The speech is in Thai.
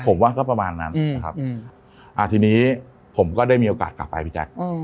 ผมว่าก็ประมาณนั้นนะครับทีนี้ผมก็ได้มีโอกาสกลับไปพี่แจ๊ค